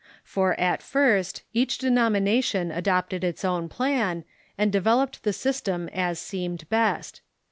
For at first each denomination adopted its own plan, and de veloped the system as seemed best.